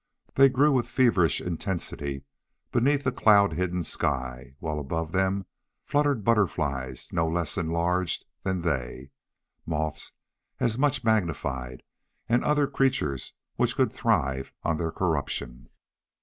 They grew with feverish intensity beneath a cloud hidden sky, while above them fluttered butterflies no less enlarged than they, moths as much magnified, and other creatures which could thrive on their corruption.